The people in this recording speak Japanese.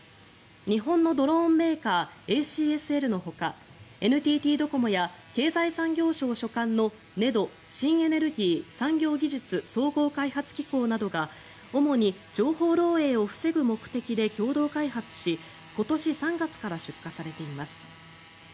日本のドローンメーカーＡＣＳＬのほかＮＴＴドコモや経済産業省所管のＮＥＤＯ＝新エネルギー・産業技術総合開発機構などが主に情報漏えいを防ぐ目的で共同開発し今年３月から出荷されています。